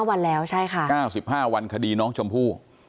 วันแล้วใช่ค่ะ๙๕วันคดีน้องชมพู่